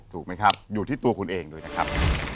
ถูกไหมครับอยู่ที่ตัวคุณเองด้วยนะครับ